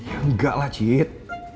enggak lah cid